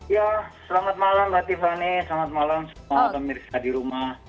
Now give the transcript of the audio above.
ya selamat malam mbak tiffany selamat malam selamat malam mirsa di rumah